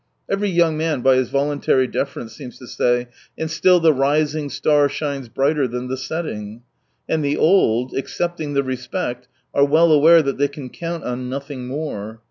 Every young man, by his voluntary deference, seems to say :" And still the rising star shines brighter than the setting." And the old, accepting the respect, are well aware that they can count on nothing more.